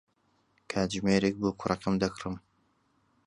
کاتژمێرێک بۆ کوڕەکەم دەکڕم.